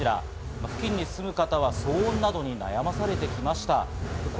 付近の住民は騒音などに悩まされてきました。